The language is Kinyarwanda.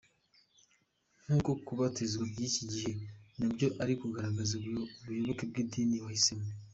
Nk’uko kubatizwa by’iki gihe, na byo ari ukugaragaza ubuyoboke mu idini wahisemo.